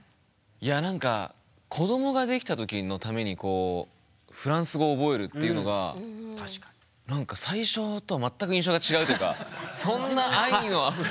いや何か子どもができた時のためにフランス語覚えるっていうのが最初とは全く印象が違うっていうかそんな愛のある。